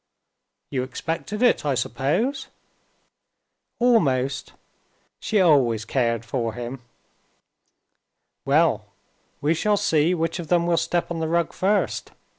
"You expected it, I suppose?" "Almost. She always cared for him." "Well, we shall see which of them will step on the rug first.